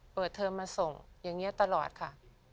เปิดเทอมมาส่งอย่างเงี้ยตลอดค่ะ